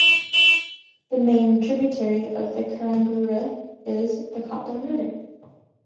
The main tributary of the Karangarua is the Copland River.